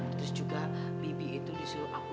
terus juga bibi itu disuruh hapus hapusin tuh potongnya gitu